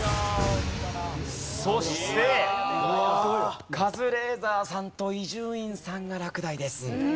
そしてカズレーザーさんと伊集院さんが落第です。